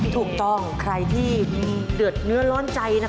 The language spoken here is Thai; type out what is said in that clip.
ถูกต้องใครที่เดือดเนื้อร้อนใจ